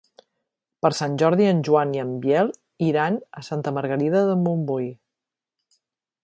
Per Sant Jordi en Joan i en Biel iran a Santa Margarida de Montbui.